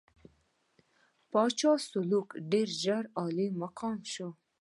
پاچا سلوکو ډېر ژر عالي مقام شو.